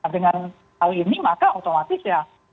dengan hal ini maka otomatis ya